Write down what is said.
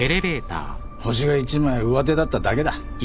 ホシが一枚上手だっただけだ。